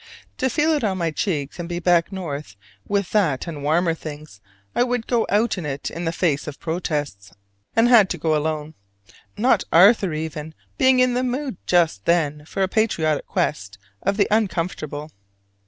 To feel it on my cheeks and be back north with that and warmer things, I would go out in it in the face of protests, and had to go alone not Arthur even being in the mood just then for a patriotic quest of the uncomfortable.